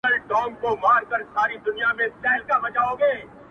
مسافر پر لاري ځکه د ارمان سلګی وهمه.!